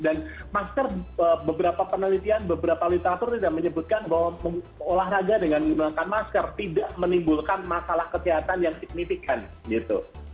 dan masker beberapa penelitian beberapa literatur sudah menyebutkan bahwa olahraga dengan menggunakan masker tidak menimbulkan masalah kesehatan yang signifikan gitu